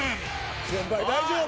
先輩大丈夫？